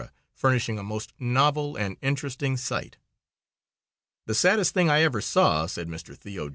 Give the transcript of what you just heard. furnishing a most novel and interesting sight. "The saddest thing I ever saw," said Mr. Theo.